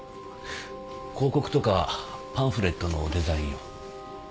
広告とかパンフレットのデザインを。